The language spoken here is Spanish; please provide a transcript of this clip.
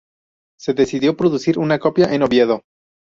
Se decidió producir una copia en Oviedo.